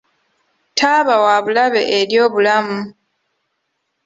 Taaba wabulabe eri obulamu.